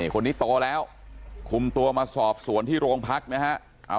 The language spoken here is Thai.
คนนี้โตแล้วคุมตัวมาสอบสวนที่โรงพักนะฮะ